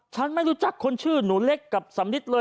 ไม่รู้จักคนชื่อหนูเล็กกับสำนิดเลย